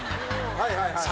はいはいはい。